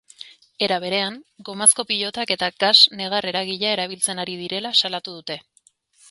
Era berean, gomazko pilotak eta gas negar-eragilea erabiltzen ari direla salatu dute.